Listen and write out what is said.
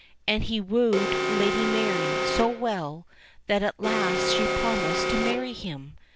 And he wooed Lady Mary so well that at last she promised to marry him.